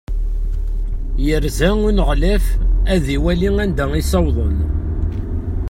Yerza uneɣlaf ad iwali anda i ssawḍen.